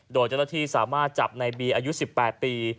โดยเจ้าหน้าที่สามารถจับในบีอายุ๑๘ปี